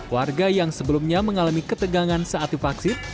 warga yang sebelumnya mengalami ketegangan saat divaksin